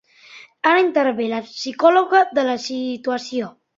Ara intervé la psicologia de la situació.